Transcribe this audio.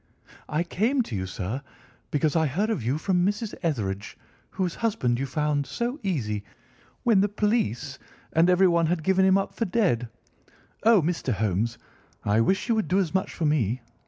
"I came to you, sir, because I heard of you from Mrs. Etherege, whose husband you found so easy when the police and everyone had given him up for dead. Oh, Mr. Holmes, I wish you would do as much for me.